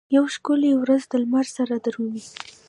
یوه ښکلې ورځ دلمره سره درومي